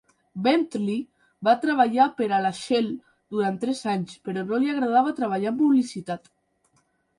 Bentley va treballar per a la Shell durant tres anys però no li agradava treballar en publicitat.